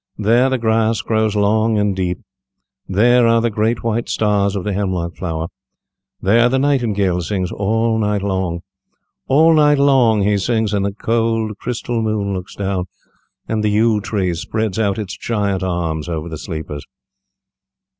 There the grass grows long and deep, there are the great white stars of the hemlock flower, there the nightingale sings all night long. All night long he sings, and the cold crystal moon looks down, and the yew tree spreads out its giant arms over the sleepers."